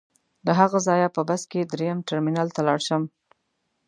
له هغه ځایه په بس کې درېیم ټرمینل ته لاړ شم.